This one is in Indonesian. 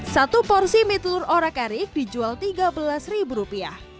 satu porsi mie telur orak arik dijual rp tiga belas